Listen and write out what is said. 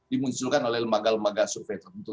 dimunculkan oleh lembaga lembaga survei tertentu